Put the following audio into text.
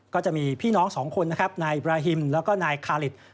ก็จะมีพี่น้องสองคนนายอิบราฮิมแล้วก็นายคาริต